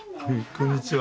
こんにちは。